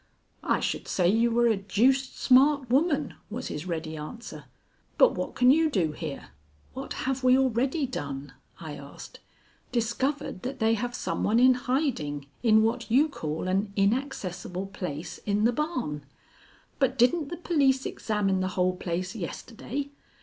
"I should say you were a deuced smart woman," was his ready answer. "But what can you do here?" "What have we already done?" I asked. "Discovered that they have some one in hiding in what you call an inaccessible place in the barn. But didn't the police examine the whole place yesterday?